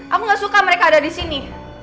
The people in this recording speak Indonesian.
aku gak suka mereka ada di sini